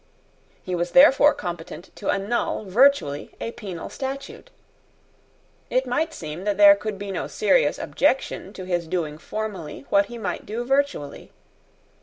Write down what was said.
He was therefore competent to annul virtually a penal statute. It might seem that there could be no serious objection to his doing formally what he might do virtually.